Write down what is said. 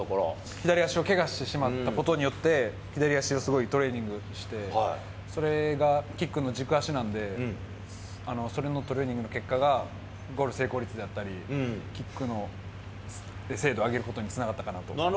左足をけがしてしまったことによって、左足をすごいトレーニングして、それがキックの軸足なんで、それのトレーニングの結果が、ゴール成功率だったり、キックの精度上げることにつながったかなと思います。